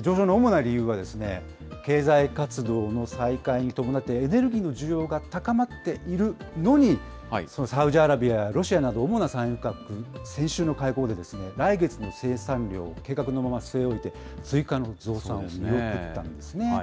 上昇の主な理由は、経済活動の再開に伴って、エネルギーの需要が高まっているのに、サウジアラビアやロシアなど、主な産油国、先週の会合で、来月の生産量を計画のまま据え置いて、追加の増産を見送ったんですね。